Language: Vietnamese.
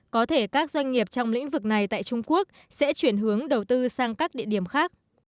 có thể các doanh nghiệp trong lĩnh vực này tại trung quốc sẽ chuyển hướng đầu tư sang các địa điểm khác